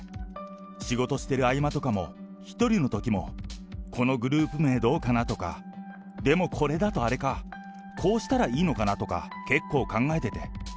仕事してる合間とかも、１人のときも、このグループ名どうかなとか、でもこれだとあれか、こうしたらいいのかなとか、結構考えてて。